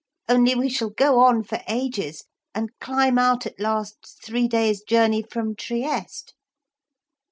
Only we shall go on for ages and climb out at last, three days' journey from Trieste.'